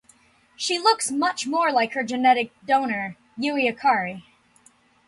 She looks much more like her genetic donor Yui Ikari.